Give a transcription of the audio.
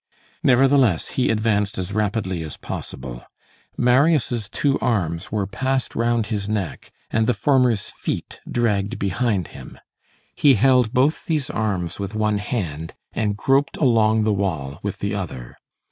Nevertheless, he advanced as rapidly as possible. Marius' two arms were passed round his neck, and the former's feet dragged behind him. He held both these arms with one hand, and groped along the wall with the other.